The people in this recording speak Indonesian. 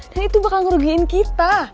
dan itu bakal ngerugiin kita